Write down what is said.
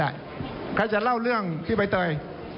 คุณผู้ช่วยกว่าจะเล่าเรื่องพี่ใบเตย